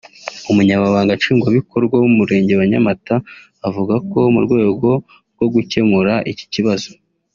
umunyamabanga nshingwabikorwa w’umurenge wa Nyamata avuga ko mu rwego rwo gukemura iki kibazo